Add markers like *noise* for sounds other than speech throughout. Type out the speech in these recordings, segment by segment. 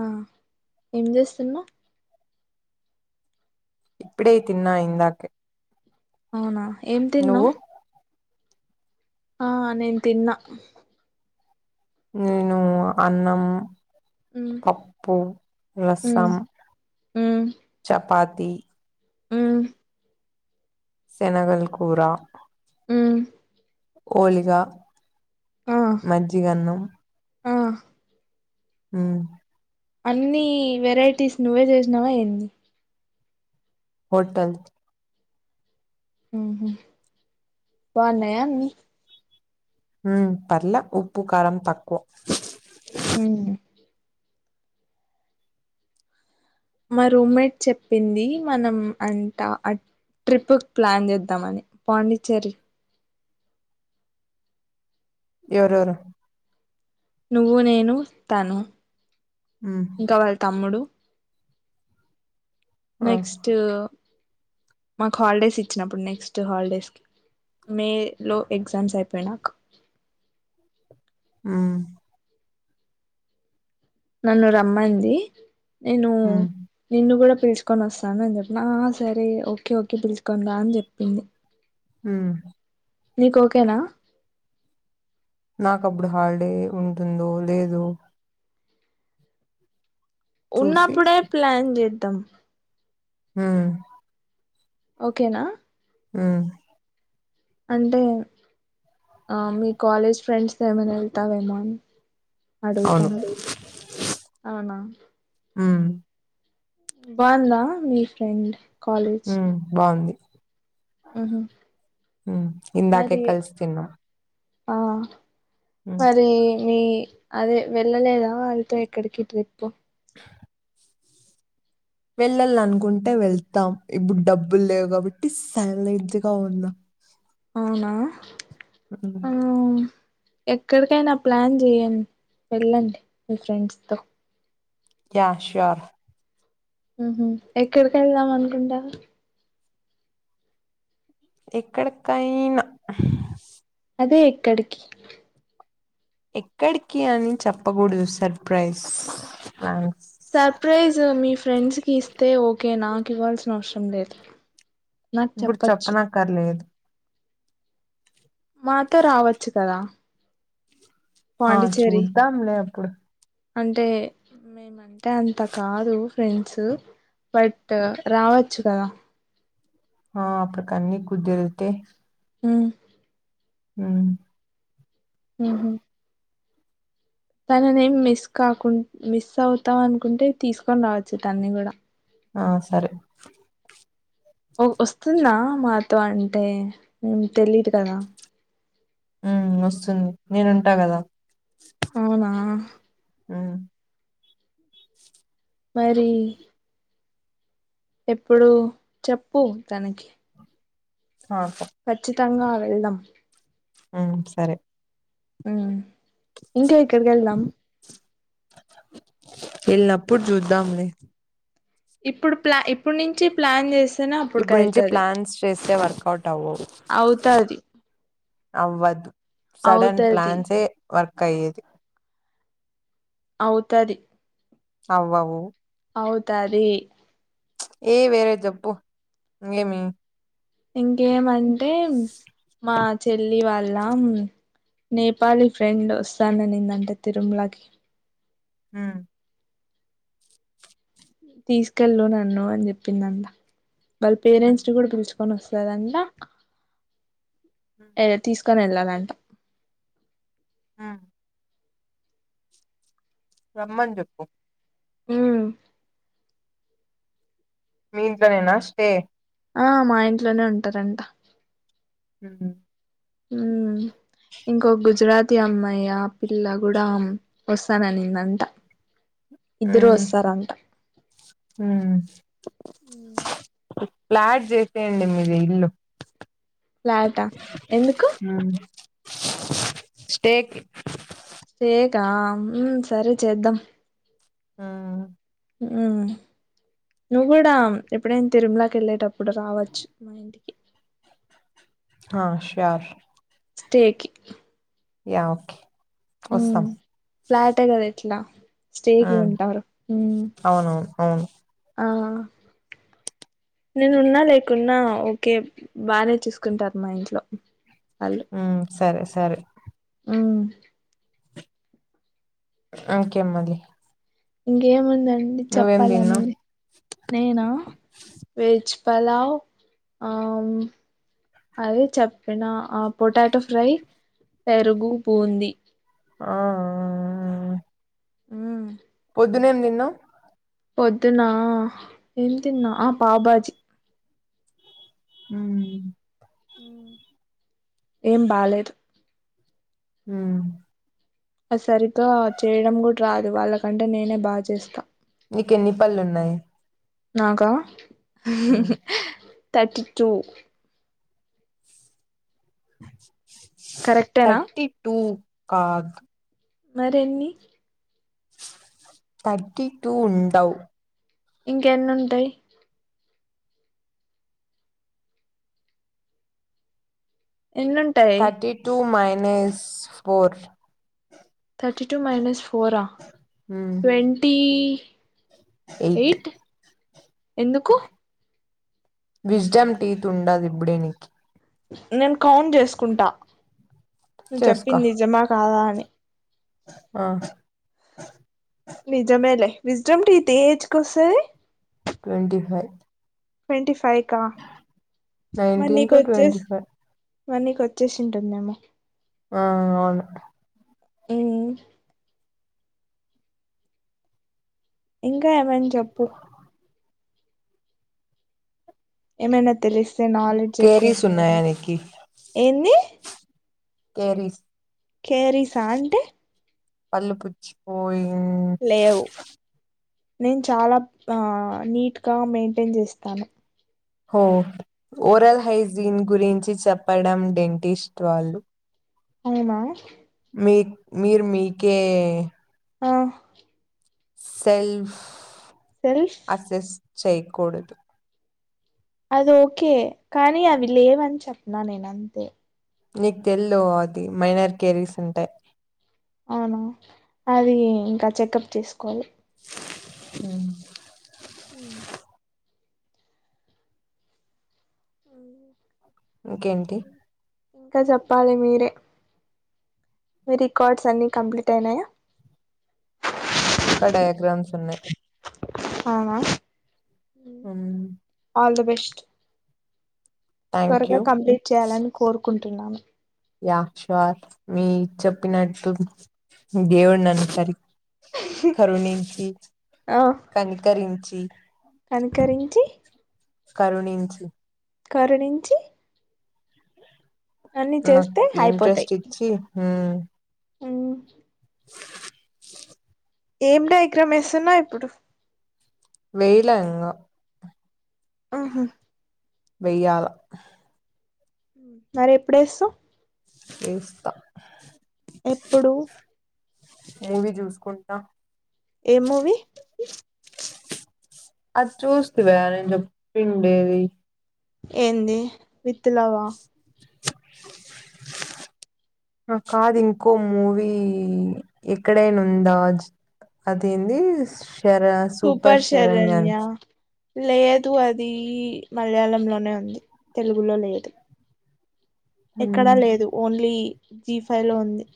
ఆ ఏం చేస్తున్నా ఇప్పుడే తిన్నా ఇందాకే అవునా ఏం నువ్వు తిన్నావ్ ఆ నేన్ తిన్నా నేను అన్నం నేను మ్మ్ పప్పు మ్మ్ రసం చపా తి ఉ సెనగల్ కూర ఉ ఓలిగా ఆ మజిగన్నం ఆ హు అన్ని వెరైటీస్ నువ్వే చేసినావ ఏంది హోటల్ బానయ్య అన్ని హ పర్లే ఉప్పు కారం తక్కువ మ్మ్ మా రూమ్మేట్ చెప్పింది మనం అంట ట్రిప్పు కి ప్లాన్ చేద్దామని పాండిచ్చేరి ఎవరెవరు నువ్వు నేను తను మ్మ్ ఇంకా వాళ్ళ తమ్ముడు ఆ నెక్స్ట్ మాకు హాలిడేస్ ఇచ్చినప్పుడు నెక్స్ట్ హాలిడేస్ కి మే లో ఎగ్జామ్స్ అయిపోయి నాక ఆ నన్ను రమ్మంది నేను మ్మ్ నిన్ను కూడ పిలుచుకొని వస్తాను అని చెప్పిన ఆ సరే ఓకే ఓకే పిలుచుకోని రా అని చెప్పింది హు నీకు ఒకే న నాకు అప్పుడు హాలిడే ఉంటుందో లేదో చూసి ఉన్నప్పుడే ప్లాన్ చేద్దాం హు ఒకే నా ఆ అంటే మీ కాలేజ్ ఫ్రెండ్స్ ఏమైనా వెళ్తావేమో అని అవును అడుగుతాను ఉ బాగుందా మీ ఫ్రెండ్ కాలేజ్ ఉ బాగుంది ఉహు హు ఇందాకే మరి కల్సి తిన్న ఆ మరి మీ అదే వెళ్ళలేదా వాళ్ళతో ఎక్కడికి ట్రిప్పు వెళ్ళాల అనుకుంటే వెళ్తాం ఇప్పుడు డబ్బులు లేవు కాబట్టి సైలెంట్ గా ఉన్న అవునా అ ఆ ఎక్కడికైనా ప్లాన్ చెయండి వెళ్ళండి మీ ఫ్రెండ్స్ తో యా షోర్ ఉహు ఎక్కడికి వెళ్దాం అనుకుంటా ఎక్కడికైన అదే ఎక్కడికి ఎక్కడికి అని చెప్పకూడదు సర్ప్రైజ్ సర్ప్రైజ్ మీ ఫ్రెండ్స్ కి ఇస్తే ఓకే నాకు ఇవ్వాల్సిన అవసరం లేదు నాకు ఇప్పుడు చెప్పచ్చు చేప్పన కర్లేదు. మాతో రావచ్చు కదా ఆ పాండిచ్చేరి చూద్దాంలే అప్పుడు అంటే మేమంటే అంత కాదు. ఫ్రెండ్సు బట్టు రావచ్చు కదా ఆ అప్పుడకన్నీ కుద్దిరితే ఉహ్ హ్మ్ ఉహ్ హు తననేం మిస్ కాకుం మిస్ అవుతా అనుకుంటే. తీసుకొని రావచ్చు తన్ని గూడా. ఆ సరే ఒ ఒస్తుందా మాతో అంటే? మేం తెలిదు కదా. ఉమ్ ఒస్తుంది నేనుంటా గద. అవునా ఊమ్ మరీ ఎప్పుడు చెప్పు తనకి ఆ ఓకే తంగా వెళ్దాం ఆమ్ సరే ఊమ్ ఇంక ఎక్కడ్కెళ్దాం. ఏళ్నప్పుడు చూద్దాంలే. ఇప్పుడు ప్లా ఇప్పుడు నుంచి ప్లాన్ జేస్ ఇప్పుడు నుంచే ప్లాన్స్ చేస్తే. వర్కౌట్ అవ్వవ్ అవుతది అవ్వదు. సడన్ అవుతది ప్లాన్సే వర్క్ అయ్యేది. అవుతది అవ్వవు అవుతది ఏ వేరెద్ జెప్పు. ఇంగేమి? ఇంకేమంటే మా చెల్లి వాళ్ళ మ్ నేపాలి ఫ్రెండ్ వస్తాననిందంట. తిరుమ్లకి ఉమ్ తీసుకెళ్ళు నన్ను అని జెప్పిందంట. వాళ్ ఉమ్ పేరెంట్స్ ని గూడా పిలుచ్ కొనొస్తదంట. ఉమ్ యోఏ తీస్ కొనేళ్ళలంటా. ఆ రమ్మన్ జెప్పు ఊమ్ మీ ఇంట్లోనేేనా స్టే ఆ మా ఇంట్లోనే ఉంటరంట ఉహ్ హు ఊమ్ ఇంకో గుజరాతీ అమ్మాయ్, ఆ పిల్ల గూడా ఆమ్ వస్తాననిందంట. ఇద్దరు వస్తారంట. ఊమ్ ఊమ్ క్ ప్లాట్ జేసేయండి మీది. ఇల్లు ఫ్లాటా ఎందుకు? ఉమ్ స్టేకి స్టేకా ఊమ్ సరే చేద్దాం. ఆ ఊమ్ నువ్వు గూడా ఎప్పుడైనా తిరుమలాకి కెళ్ళేటప్పుడు రావచ్చు మా ఇంటి ఆ ష్యోర్ స్టేకి యా ఓకే వస్తాం ఊమ్ ఫ్లాటే గద ఎట్లా స్టేకి ఉమ్ ఉంటారు ఊమ్ అవునవును అవును ఆ నేనున్నా లేకున్నా ఓకే బానే చూసుకుంటారు మా ఇంట్లో ఊమ్ సరే సరే ఊమ్ ఓకేమ్మళి ఇంకేముందండి చెప్పాలా తిన్నావ్ మీరి నేనా వేచి పలావు ఆ అదే చెప్పిన ఆ పొటాటో ఫ్రై పెరుగు బూంది ఆ ఆ వద్దు నేం నిన్న పొద్దునా ఏం తిన్నా బబాజీ హ ఏం బాలేేదు హ సరిగ్గా చేయడం కూడా రాదు వాళ్ళకంటే నేనే బాగా చేస్తాను నీకెన్ని పనుళున్నాయి నాగా తర్టీ టూ కరెక్టేనా థర్టీ టూ మరిన్ని థర్టి టూ ఉండవు ఇంక ఎన్న ఉంటాయి ఎన్నుంటాయి thirty two minus four thirty two minus ఫోరా ట్వంటీ ఎయిట్ ఎందుకు విజడమ్ టీ తండదు ఇప్పుడే నీనికి నేను కౌంట్ చేసుకుంటా నువ్ చెప్పింది నిజమా కాదా అని ఆ విస్డం ఏ ఏజ్ వస్తుంది ట్వంటంటి ఫైవ్ ట్వంటీ ఫైవ్ కా మరి నైన్టీన్ నీకు టు వచ్చే ట్వంటీ ఫైవ్ మన్నీక వచ్చేసి ఉంటుందేమో ఆ అవును అ ఇంకా ఏమైనా చెప్పు ఏమైనా తెలిస్తే నాలెడ్జ్ ఎక్కువ కేరీస్ ఉండాలి ఉన్నాయా నీకి ఏంది కరిస్ కేరీసా అంటే పలుుపుుచ్చిపోయి లేవు నేను చాలా ఆ నీట్గా మెయింటైన్ చేస్తాను ఓరల్ హైజన్ గురించి చెప్పడం డెంటిస్ట్ వాళ్ళు అవునా మీ మీరు మీకే ఆ సెల్ఫ్ సెల్ఫ్ అసెస్ట్ చేయకూడదు అద ఓకే కానీ అవి లేవని చెప్పిన నేన అంతే నీకు తెల్లుదు అది మైనార్ కేరీస్ ఉంటాయి అవునా అది ఇంకా చెకప్ చేసుకోవాలి మ్మ్ హ్మ్ అవును ఇంకేంటి ఇంకా చెప్పాలి మీరే మీ రికార్డ్స్ అన్ని కంప్లీట్ అయినయా ఇంకా డయాగ్రామ్స్ ఉన్నయ్ అవునా ఆల్ ద బెస్ట్ థ్యాంక్ త్వరగా యూ కంప్లీట్ చేయాలని కోరుకుంటున్నాను *unintelligible* వా మీ చెప్పినట్టు దేవుడు నన్ను పరి కరుణించి కనికరించి కనికరించీ కరుణించు కరుణించి అన్ని నాకు చేస్తే ఇంట్రెస్ట్ ఇచ్చి మ్మ్ అవున ఏం డయాగ్రామ్ ఎస్తున్నావు ఇప్పుడు వెయ్యాల ఇంగా ఆహ వెయ్యాల మరి ఎప్పుడు ఏస్తావు ఏస్తా ఎప్పుడు మూవీ చూసుకుంట ఏం మూవీ అది చూస్తివా నిన్ చెప్పిండేది ఏంది విత్ లవ్వా అ కాదు ఇంకో మూవీ ఎక్కడైనా ఉందా జ్ అదేంది శర సూపర్ శరణ్య లేదు అదీ మలయాళంలోనే ఉంది తెలుగులో లేదు ఎక్కడా ఉమ్. లేదు ఓన్లీ జీ ఫైవ్ లో ఉంది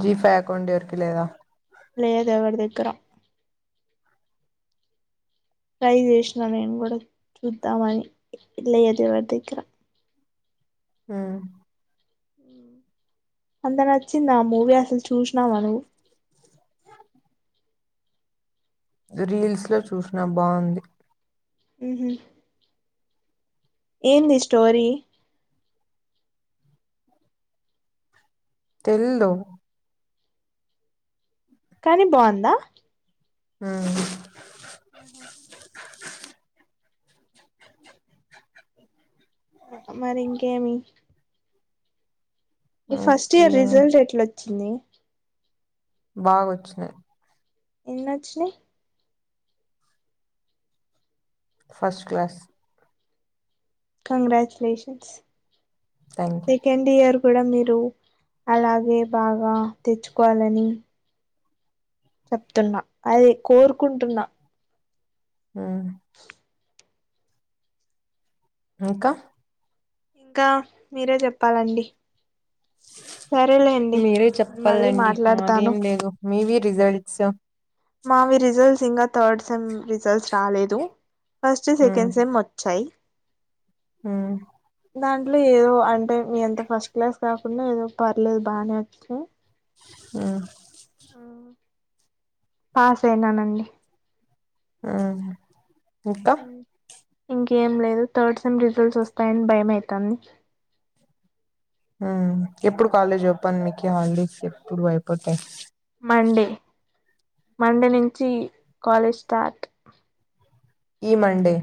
జీ ఫైవ్ అక్కడ ఉండే ఎవరికి లేదా లేదు ఎవరి దగ్గర ట్రై చేసిన నిను కూడ చూద్దమని లేద్ ఎవరి దగ్గర మ్మ్ అంత నచ్చిందా ఆ మూవీ అసలు చూసినవ నువ్వు రీల్స్ లో చూసిన బావుంది ఉహు ఏంది స్టోరీ తెల్దూ కానీ బావుందా మ్మ్ ఆహా ఉమరి ఇంకేమి నీ ఫస్ట్ ఓకే ఇయర్ రిజల్ట్ ఎట్లొచ్చింది బాగొచ్చినాయి ఎన్నచ్చినయ్ first class congratulations thank you second year కు కూడా మీరు అలాగే బాగా తెచ్చుకోవాలని చెప్తున్న అది కోరుకుంటున్న ఉమ్ ఇంకా ఇంకా మీరే చెప్పాలండి సరే మీరే చెప్పాలండి మాదేం లేదు మీవి రిజల్ట్స్ మావి రిజల్ట్స్ ఇంకా థర్డ్ ససేమ్ రిజల్ట్స్ రాలేదు ఫస్ట్ సెకండ్ సేమ్ వచ్చాయి హ దాంట్లో ఏదో అంటే మీ అంత ఫస్ట్ క్లాస్ కాకుండా ఏదో పర్లేదు బానే వచ్చినాయి ఉమ్ పాస్ అయినానండి ఉమ్ ఇంకా ఇంకేం లేదు థర్డ్ సెమ్ రిజల్ట్స్ వస్తాయని భయం అవుతుంది ఎప్పుడు కాలేజ్ ఓపన్ మీకు హాలిడేస్ ఎప్పుడు అయిపోతాయి మండే మండే నుంచి కాలేజ్ స్టార్ట్ ఈ మండే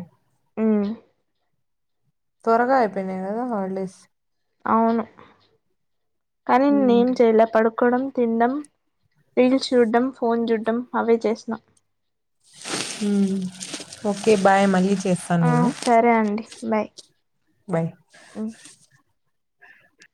ఉమ్ త్వరగాయపోయి కదా హల్డేస్ అవును కానీ హ్మ్ నేనేం చేయలే పడుకోవడం తినడం రీల్స్ చూడ్డం ఫోన్ చూడ్డం అవే చేస్న ఓకే బాయ్ మళ్ళీ చేస్తాను ఆ నేను సరే అండి బాయ్ బయ్ ఉమ్